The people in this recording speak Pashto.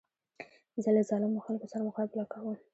زه له ظالمو خلکو سره مقابله کوم.